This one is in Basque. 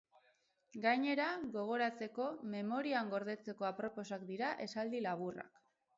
Gainera, gogoratzeko, memorian gordetzeko aproposak dira esaldi laburrak.